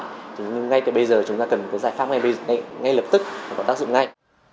nhưng ngay từ bây giờ chúng ta cần giải pháp ngay lập tức và có tác dụng ngay